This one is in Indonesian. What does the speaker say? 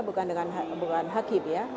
bukan dengan hakim ya